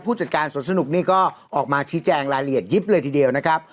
จัดการสวนสนุกนี่ก็ออกมาชี้แจงรายละเอียดยิบเลยทีเดียวนะครับ